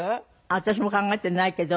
私も考えてないけど。